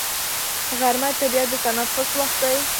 غرمه د طبیعت د تنفس وخت دی